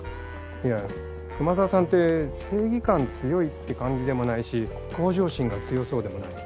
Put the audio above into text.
いや熊沢さんって正義感強いって感じでもないし向上心が強そうでもない。